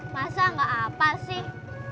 masa gak apa sih